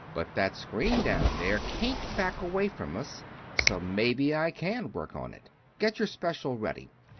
But that screen down there can't back away from us, so maybe I can work on it. Get your special ready.